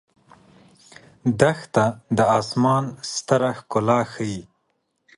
دښته د آسمان ستر ښکلا ښيي.